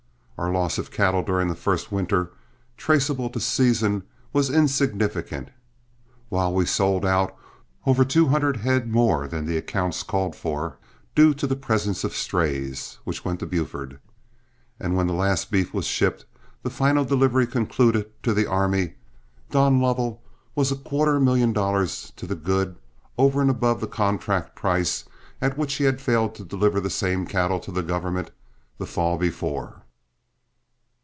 Our loss of cattle during the first winter, traceable to season, was insignificant, while we sold out over two hundred head more than the accounts called for, due to the presence of strays, which went to Buford. And when the last beef was shipped, the final delivery concluded to the army, Don Lovell was a quarter million dollars to the good, over and above the contract price at which he failed to deliver the same cattle to the government the fall before.